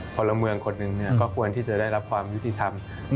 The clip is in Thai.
พลเมืองคนหนึ่งก็ควรที่จะได้รับความยุติธรรม